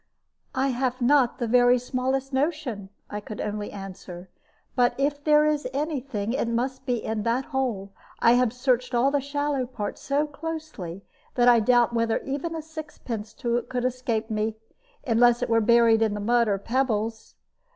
"I have not the very smallest notion," I could only answer; "but if there is any thing, it must be in that hole. I have searched all the shallow part so closely that I doubt whether even a sixpence could escape me, unless it were buried in the mud or pebbles.